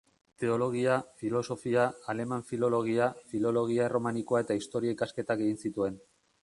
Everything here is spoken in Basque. Teologia, filosofia, aleman filologia, filologia erromanikoa eta historia-ikasketak egin zituen.